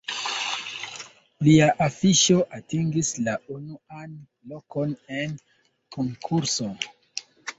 Lia afiŝo atingis la unuan lokon en konkurso.